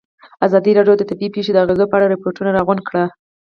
ازادي راډیو د طبیعي پېښې د اغېزو په اړه ریپوټونه راغونډ کړي.